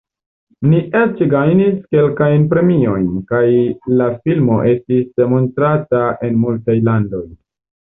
Ni eĉ gajnis kelkajn premiojn, kaj la filmo estis montrata en multaj landoj.